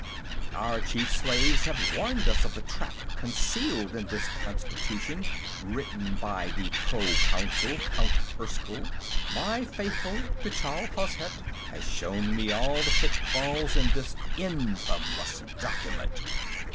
Our chief slaves have warned us of the trap concealed in this constitution written by the Proconsul, Count Erskyll. My faithful Tchall Hozhet has shown me all the pitfalls in this infamous document...."